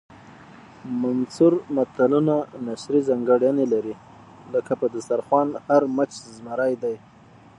منثور متلونه نثري ځانګړنې لري لکه په دسترخوان هر مچ زمری دی